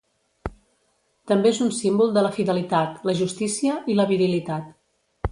També és un símbol de la fidelitat, la justícia i la virilitat.